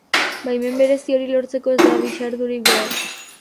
Baimen berezi hori lortzeko ez da bisaturik behar.